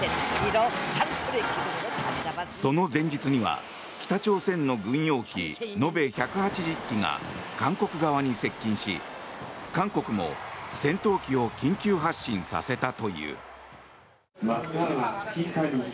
その前日には北朝鮮の軍用機延べ１８０機が韓国側に接近し韓国も戦闘機を緊急発進させたという。